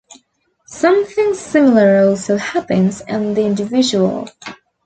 Something similar also happens in the individual.